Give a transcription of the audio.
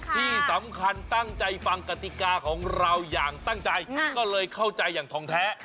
ที่สำคัญตั้งใจฟังกติกาของเราอย่างตั้งใจก็เลยเข้าใจอย่างทองแท้